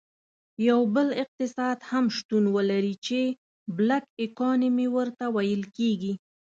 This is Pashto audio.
یو بل اقتصاد هم شتون ولري چې Black Economy ورته ویل کیږي.